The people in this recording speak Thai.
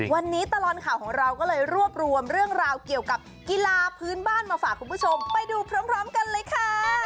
วันนี้ตลอดข่าวของเราก็เลยรวบรวมเรื่องราวเกี่ยวกับกีฬาพื้นบ้านมาฝากคุณผู้ชมไปดูพร้อมกันเลยค่ะ